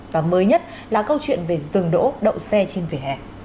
và mới nhất là câu chuyện về dừng đỗ đậu xe trên vỉa hè